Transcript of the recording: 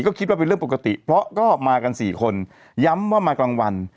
ก็คิดว่าเป็นเรื่องปกติเพราะก็มากันสี่คนย้ำว่ามากลางวัน